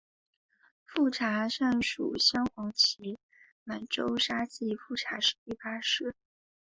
富察善属镶黄旗满洲沙济富察氏第八世。